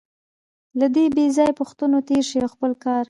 له دې بېځایه پوښتنو تېر شئ او خپل کار.